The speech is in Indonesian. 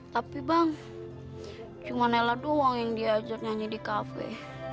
tapi bang cuma ella doang yang diajar nyanyi di cafe